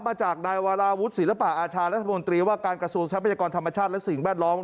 มาจากนายวาราวุฒิศิลปะอาชารัฐมนตรีว่าการกระทรวงทรัพยากรธรรมชาติและสิ่งแวดล้อม